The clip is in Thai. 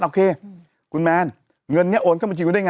โอเคคุณแมนเงินเนี่ยโอนข้างบนชีวิตได้ไง